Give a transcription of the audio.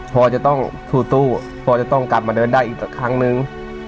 พอจะต้องสู้พอจะต้องกลับมาเดินได้อีกสักครั้งนึง